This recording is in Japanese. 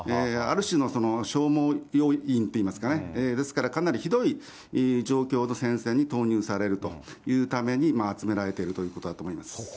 ある種の消耗要員といいますかね、ですからかなりひどい状況の戦線に投入されるというために集められているということだと思います。